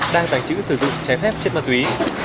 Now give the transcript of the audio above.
đang tàng trữ sử dụng trái phép chất ma túy